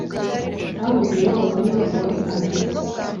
hahuriweho mu nyubako basangiye